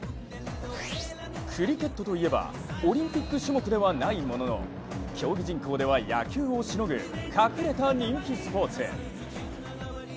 クリケットといえばオリンピック種目ではないものの競技人口では野球をしのぐ隠れた人気スポーツ。